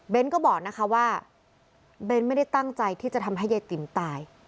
ก็บอกนะคะว่าเบ้นไม่ได้ตั้งใจที่จะทำให้ยายติ๋มตาย